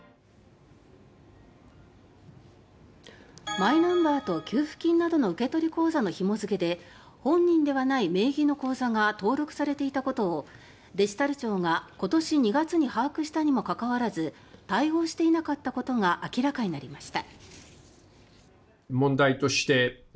マイナンバーと給付金などの受取口座のひも付けで本人ではない名義の口座が登録されていたことをデジタル庁が今年２月に把握したにもかかわらず対応していなかったことが明らかになりました。